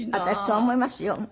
私そう思いますよ。